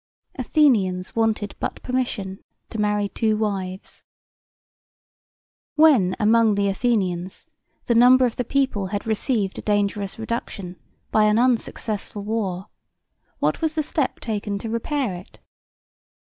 Athenians wanted but permission to marry two wives When among the Athenians the number of the people had received a dangerous reduction by an unsuccessful war, what was the step taken to repair it?